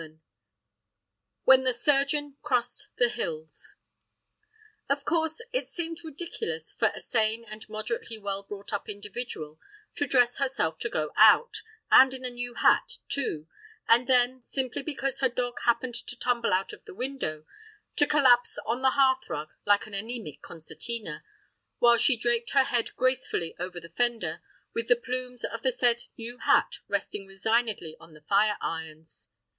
XIII When the Surgeon Crossed the Hills OF course, it seemed ridiculous for a sane and moderately well brought up individual to dress herself to go out—and in a new hat, too—and, then, simply because her dog happened to tumble out of the window, to collapse on the hearthrug like an anæmic concertina, while she draped her head gracefully over the fender, with the plumes of the said new hat resting resignedly on the fire irons.